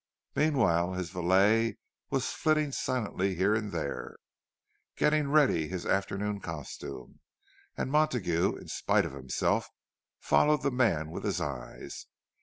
Meanwhile his valet was flitting silently here and there, getting ready his afternoon costume; and Montague, in spite of himself, followed the man with his eyes.